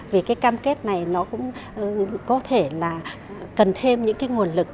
vì cái cam kết này nó cũng có thể là cần thêm những cái nguồn lực